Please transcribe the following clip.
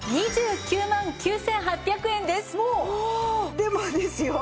でもですよ